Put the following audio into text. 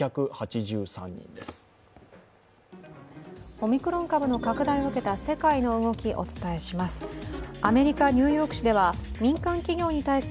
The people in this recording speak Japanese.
オミクロン株の拡大を受けた世界の動き、お伝えします。